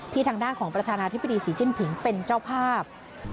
ทางด้านของประธานาธิบดีศรีจิ้นผิงเป็นเจ้าภาพ